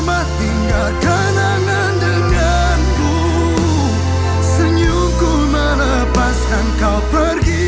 aku akan menerima kesalahanmu